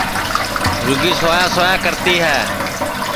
رُگی سویا سویا کرتی ہے